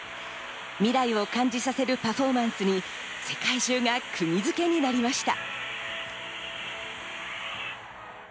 未来を感じさせるパフォーマンスに世界中がくぎ付けになりました。